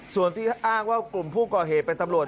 ส่วนที่อ้างว่ากลุ่มผู้ก่อเหตุเป็นตำรวจ